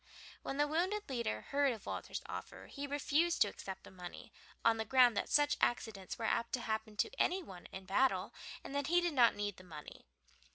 When the wounded leader heard of Walter's offer he refused to accept the money on the ground that such accidents were apt to happen to any one in battle, and that he did not need the money.